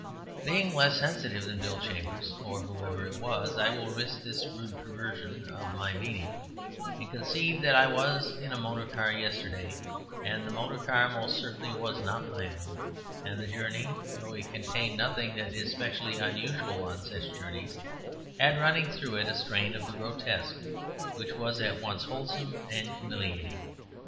Being less sensitive than Bill Chambers (or whoever it was) I will risk this rude perversion of my meaning, and concede that I was in a motor car yesterday, and the motor car most certainly was not my own, and the journey, though it contained nothing that is specially unusual on such journeys, had running through it a strain of the grotesque which was at once wholesome and humiliating.